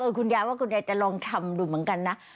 คุณยายว่าคุณยายจะลองทำดูเหมือนกันนะ